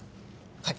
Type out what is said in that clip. はい。